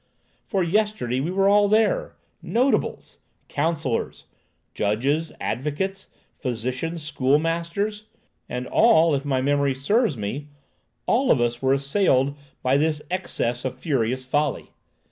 For yesterday we were all there, notables, counsellors, judges, advocates, physicians, schoolmasters; and ail, if my memory serves me,—all of us were assailed by this excess of furious folly!